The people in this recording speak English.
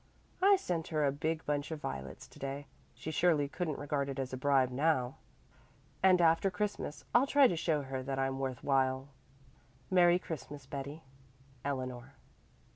I sent her a big bunch of violets to day she surely couldn't regard it as a bribe now and after Christmas I'll try to show her that I'm worth while. "Merry Christmas, Betty. "Eleanor."